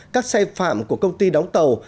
các xe phạm của công ty đóng tàu